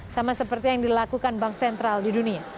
sama seperti yang dilakukan bank sentral di dunia